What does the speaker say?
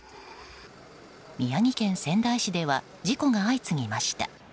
宮城県仙台市では事故が相次ぎました。